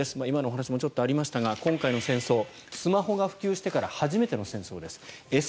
今のお話にもちょっとありましたが今回の戦争、スマホが普及してから初めての戦争です。